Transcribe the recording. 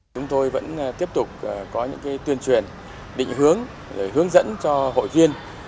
chúng tôi vẫn tiếp tục có những tuyên truyền định hướng dẫn cho hội viên